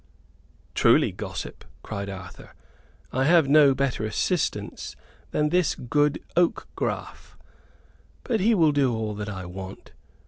"Truly, gossip," cried Arthur, "I have no better assistant than this good oak graff; but he will do all that I want.